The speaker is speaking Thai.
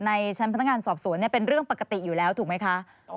ในชั้นพนักงานสอบสวนเป็นเรื่องปกติอยู่แล้วถูกไหมคะ